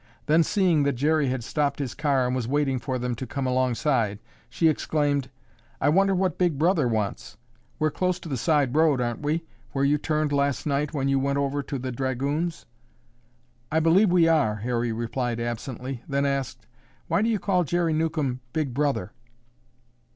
Then, seeing that Jerry had stopped his car and was waiting for them to come alongside, she exclaimed, "I wonder what Big Brother wants. We're close to the side road, aren't we, where you turned last night when you went over to 'The Dragoons?'" "I believe we are," Harry replied absently, then asked, "Why do you call Jerry Newcomb 'Big Brother?